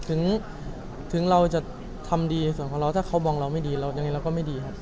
ถึงเราจะทำดีในส่วนของเราถ้าเขามองเราไม่ดีเรายังไงเราก็ไม่ดีครับ